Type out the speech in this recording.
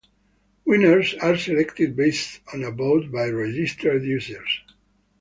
Winners are selected based on a vote by registered users.